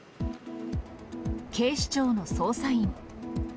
警視庁の捜査員。